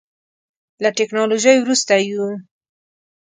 له ټکنالوژۍ وروسته یو.